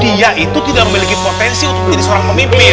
dia itu tidak memiliki potensi untuk menjadi seorang pemimpin